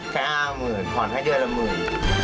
แค่๕๐๐๐ผ่อนให้เดือนละหมื่น